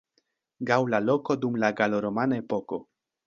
Gaŭla loko dum la galo-romana epoko.